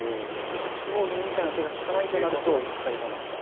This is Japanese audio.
６五銀みたいな手が利かないとなると一回我慢が。